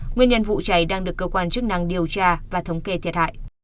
nguyên nhân vụ cháy đang được cơ quan chức năng điều tra và thống kê thiệt hại